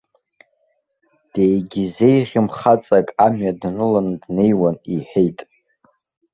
Деигьызеиӷьым хаҵак амҩа даныланы днеиуан, иҳәеит.